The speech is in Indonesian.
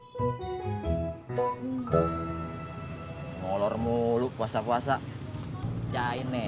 semolor mulu puasa puasa jahein nih